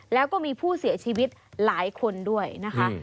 แล้วก็มีผู้เสียชีวิตหลายคนด้วยนะคะ